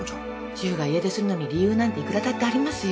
主婦が家出するのに理由なんていくらだってありますよ。